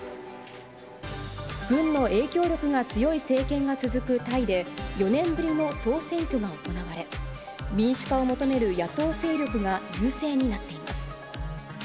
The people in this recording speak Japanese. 軍の影響力が強い政権が続くタイで、４年ぶりの総選挙が行われ、民主化を求める野党勢力が優勢になっています。